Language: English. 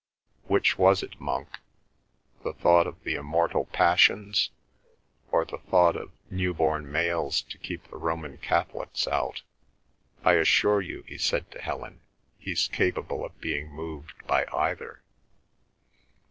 "Which was it, Monk? The thought of the immortal passions, or the thought of new born males to keep the Roman Catholics out? I assure you," he said to Helen, "he's capable of being moved by either."